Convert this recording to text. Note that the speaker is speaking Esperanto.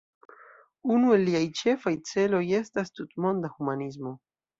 Unu el liaj ĉefaj celoj estas tutmonda humanismo.